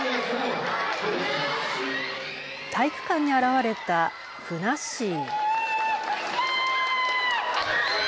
体育館に現れたふなっしー。